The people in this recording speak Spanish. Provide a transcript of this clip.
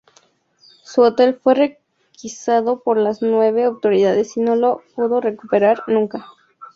Su hotel fue requisado por las nuevas autoridades y no lo pudo recuperar nunca.